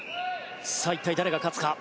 一体誰が勝つか。